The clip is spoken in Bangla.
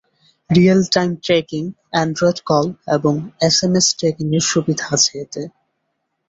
Real time tracking, Android call এবং এসএমএস ট্র্যাকিংয়ের সুবিধা আছে এতে।